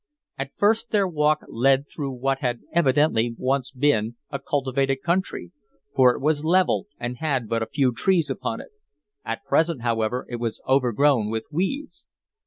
At first their walk led through what had evidently once been a cultivated country, for it was level and had but few trees upon it. At present, however, it was overgrown with weeds.